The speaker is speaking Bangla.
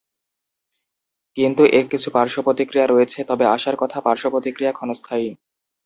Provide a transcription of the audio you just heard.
কিন্তু এর কিছু পার্শ্বপ্রতিক্রিয়া রয়েছে, তবে আশার কথা পার্শ্বপ্রতিক্রিয়া ক্ষণস্থায়ী।